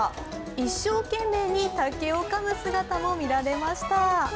一生懸命に竹をかむ姿も見られました。